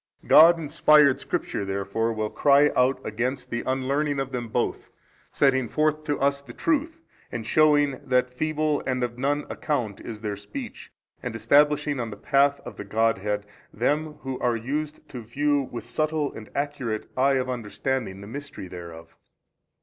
A. God inspired Scripture therefore will cry out against the unlearning of them both, setting forth to us the truth and shewing that feeble and of none account is their speech, and establishing on the path of the Godhead them who are used to view with subtil and accurate eye of understanding the Mystery thereof.